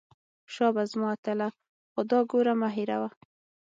شابه زما اتله خو دا ګوره مه هېروه.